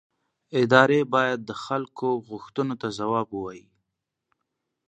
ادارې باید د خلکو غوښتنو ته ځواب ووایي